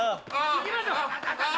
行きましょう！